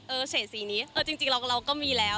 เฉดสีนี้จริงเราก็มีแล้ว